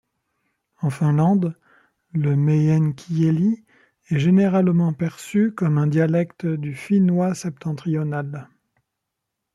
En Finlande, le meänkieli est généralement perçu comme un dialecte du finnois septentrional.